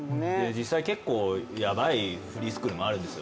実際、結構やばいフリースクールもあるんですよ